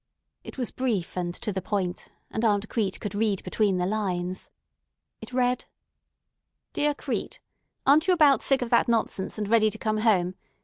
It was brief and to the point, and Aunt Crete could read between the lines. It read: "Dear Crete,—Aren't you about sick of that nonsense, and ready to come home?